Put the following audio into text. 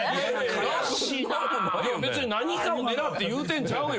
別に何かを狙って言うてんちゃうよ。